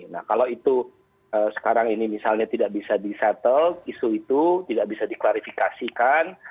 nah kalau itu sekarang ini misalnya tidak bisa di settle isu itu tidak bisa diklarifikasikan